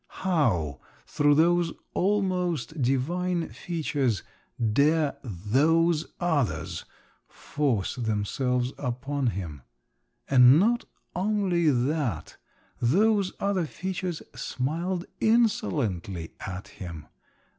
How, through those almost divine features, dare those others force themselves upon him? And not only that; those other features smiled insolently at him.